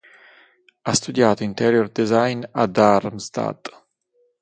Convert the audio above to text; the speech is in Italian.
Ha studiato interior design a Darmstadt.